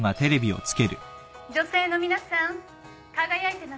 女性の皆さん輝いてますか？